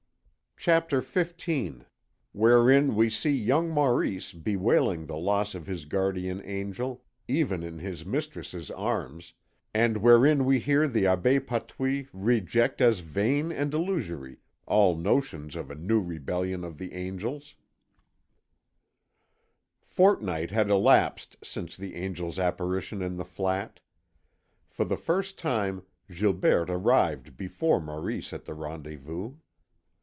CHAPTER XV WHEREIN WE SEE YOUNG MAURICE BEWAILING THE LOSS OF HIS GUARDIAN ANGEL, EVEN IN HIS MISTRESS'S ARMS, AND WHEREIN WE HEAR THE ABBÉ PATOUILLE REJECT AS VAIN AND ILLUSORY ALL NOTIONS OF A NEW REBELLION OF THE ANGELS A fortnight had elapsed since the angel's apparition in the flat. For the first time Gilberte arrived before Maurice at the rendezvous.